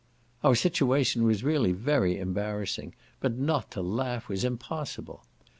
Our situation was really very embarrassing, but not to laugh was impossible.